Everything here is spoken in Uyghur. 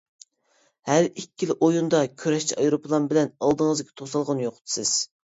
ھەر ئىككىلا ئويۇندا كۈرەشچى ئايروپىلان بىلەن ئالدىڭىزدىكى توسالغۇنى يوقىتىسىز.